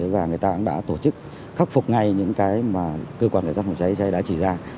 và người ta cũng đã tổ chức khắc phục ngay những cái mà cơ quan cảnh sát phòng cháy cháy đã chỉ ra